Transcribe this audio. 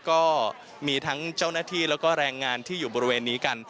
ก็มีทั้งเจ้าหน้าที่แล้วก็แรงงานที่อยู่บริเวณนี้กัน